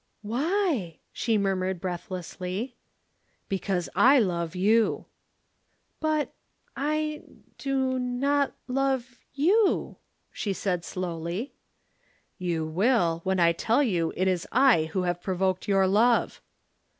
"Why?" she murmured breathlessly. "Because I love you." "But I do not love you," she said slowly. "You will, when I tell you it is I who have provoked your love."